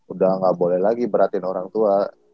udah nggak boleh lagi beratin orang tua